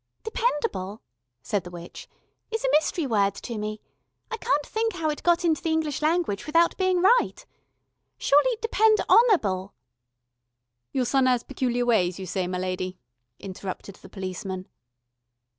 "Dependable," said the witch, "is a mystery word to me. I can't think how it got into the English language without being right. Surely Depend on able " "Your son 'as peculiar ways, you say, my lady," interrupted the policeman.